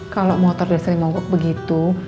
kalau motor dari seri mogok begitu